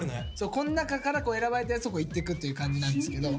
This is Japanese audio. こん中から選ばれたやつを言ってくという感じなんですけど。